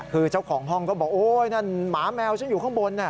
คือเจ้าของห้องก็บอกโอ๊ยนั่นหมาแมวฉันอยู่ข้างบน